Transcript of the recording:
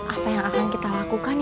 apa yang akan kita lakukan